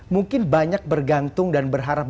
mungkin banyak bergantung dan berharap